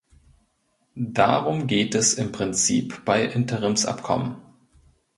Darum geht es im Prinzip bei Interimsabkommen.